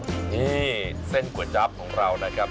นี่เส้นก๋วยจั๊บของเรานะครับ